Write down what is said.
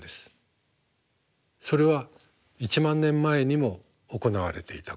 それは１万年前にも行われていたこと。